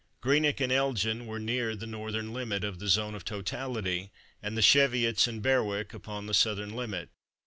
Greenock and Elgin were near the northern limit of the zone of totality, and the Cheviots and Berwick upon the southern limit.